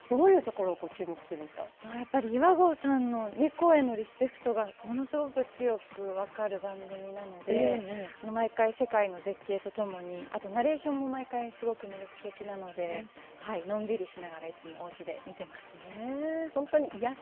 やっぱり岩合さんの猫へのリスペクトがものすごく分かる番組なので毎回、世界の絶景とともにあと、ナレーションも毎回すごく魅力的なのでのんびりしながらいつも、おうちで見ています。